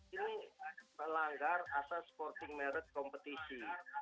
ini melanggar asas sporting meret kompetisi